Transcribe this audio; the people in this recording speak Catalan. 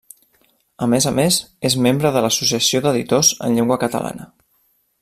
A més a més, és membre de l'Associació d'Editors en Llengua Catalana.